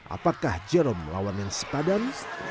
apakah jerome melawan yang sepadan